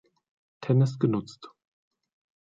Tennis genutzt.